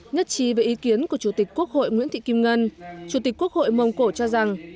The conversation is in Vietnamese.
nhất trí về ý kiến của chủ tịch quốc hội nguyễn thị kim ngân chủ tịch quốc hội mông cổ cho rằng